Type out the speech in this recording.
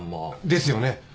ですよね。